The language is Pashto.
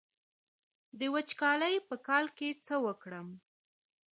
د وچکالۍ په کال کې څه وکړم؟